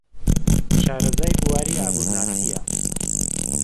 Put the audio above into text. شارەزای بواری ئابوورناسییە.